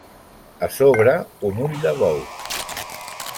A sobre, un ull de bou.